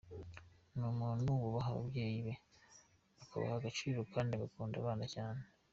Ni umuntu wubaha ababyeyi be, akabaha agaciro kandi agakunda abana cyane.